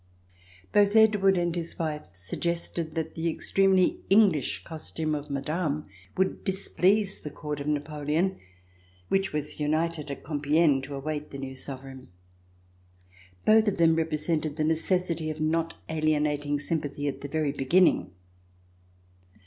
Both Edward and his wife suggested that the extremely English costume of Madame would displease the Court of Napoleon, which was united at Compiegne to await the new sovereign. Both of them represented the necessity of not alienating sympathy at the very beginning.